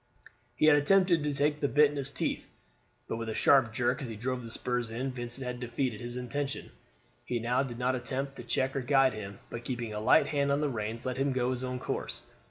He had attempted to take the bit in his teeth, but with a sharp jerk as he drove the spurs in, Vincent had defeated his intention. He now did not attempt to check or guide him, but keeping a light hand on the reins let him go his own course.